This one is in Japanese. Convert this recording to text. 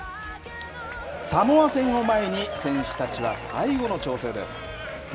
サモア戦を前に選手たちは最後の調整です。